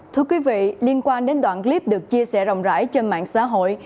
thưa quý vị liên quan đến đoạn clip được chia sẻ rộng rãi trên mạng xã hội